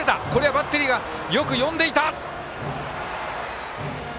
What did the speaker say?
バッテリーよく読んでいた。